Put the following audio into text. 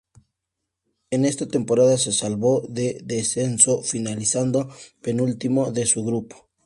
En esa temporada se salvó del descenso finalizando penúltimo de su grupo.